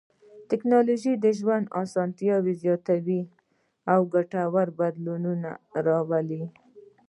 ټکنالوژي د ژوند اسانتیاوې زیاتوي او ګټور بدلونونه راولي.